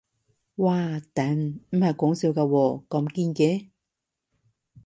嘩頂，唔係講笑㗎喎，咁堅嘅